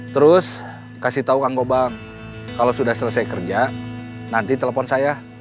terus kasih tahu kang goba kalau sudah selesai kerja nanti telepon saya